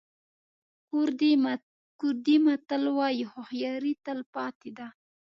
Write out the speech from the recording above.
کوردي متل وایي هوښیاري تل پاتې ده.